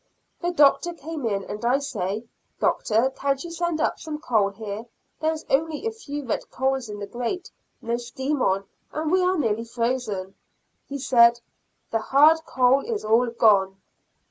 The Doctor came in and I say, "Doctor, can't you send up some coal, there is only a few red coals in the grate, no steam on, and we are nearly frozen?" He said, "The hard coal is all gone."